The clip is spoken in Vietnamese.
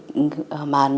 mà những người đi du lịch